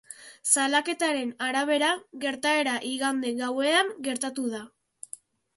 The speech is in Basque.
Salaketaren arabera, gertaera igande gauean gertatu da.